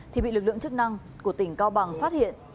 thì bị lực lượng chức năng của tỉnh cao bằng phát hiện